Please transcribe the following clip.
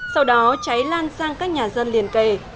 sau đó cháy lan sang các nhà dân liền kề